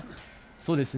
そうですね。